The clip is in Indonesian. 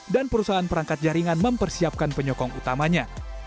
dan perusahaan perangkat jaringan mempersiapkan penyokong utamanya